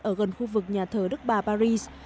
ở một nhà thờ đức bà paris